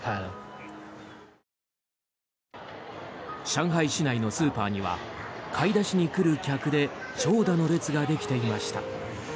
上海市内のスーパーには買い出しに来る客で長蛇の列ができていました。